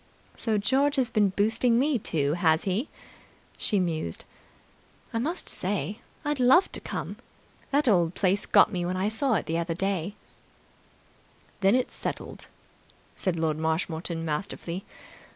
"So George has been boosting me, too, has he?" She mused. "I must say, I'd love to come. That old place got me when I saw it that day." "That's settled, then," said Lord Marshmoreton masterfully.